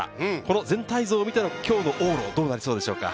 全体図を見ての今日の往路、どうなりそうでしょうか？